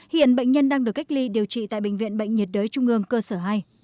hiện bệnh nhân đang được cách ly điều trị tại bệnh viện bệnh nhiệt đới trung ương cơ sở hai